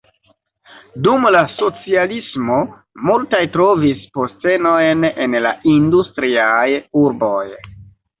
Dum la socialismo multaj trovis postenojn en la industriaj urboj.